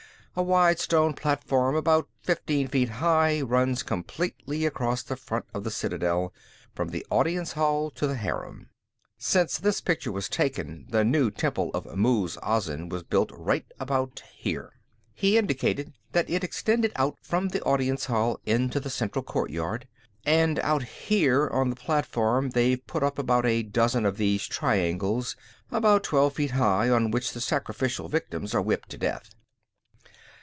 A wide stone platform, about fifteen feet high, runs completely across the front of the citadel, from the audience hall to the harem. Since this picture was taken, the new temple of Muz Azin was built right about here." He indicated that it extended out from the audience hall into the central courtyard. "And out here on the platform, they've put up about a dozen of these triangles, about twelve feet high, on which the sacrificial victims are whipped to death."